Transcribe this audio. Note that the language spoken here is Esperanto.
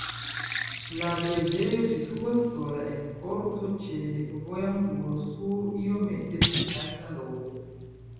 La preĝejo situas sola en korto ĉe vojangulo sur iomete pli alta loko.